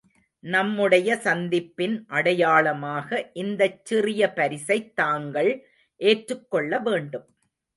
நம்முடைய சந்திப்பின் அடையாளமாக இந்தச் சிறிய பரிசைத் தாங்கள் ஏற்றுக் கொள்ளவேண்டும்.